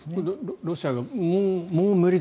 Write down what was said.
ロシアがもう無理だ